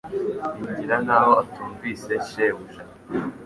Yigira nkaho atumvise shebuja